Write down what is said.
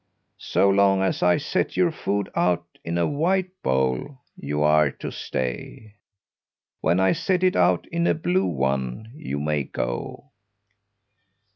So long as I set your food out in a white bowl you are to stay. When I set it out in a blue one you may go."